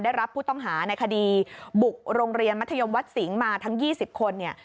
ได้รับผู้ต้องหาในคดีบุกโรงเรียนมัธยมวัดสิงห์มาทั้ง๒๐คนเนี่ย